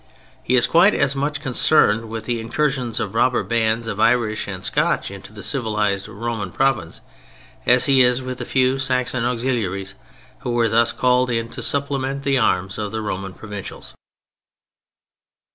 He is quite as much concerned with the incursions of robber bands of Irish and Scotch into the civilized Roman province as he is with the few Saxon auxiliaries who were thus called in to supplement the arms of the Roman provincials.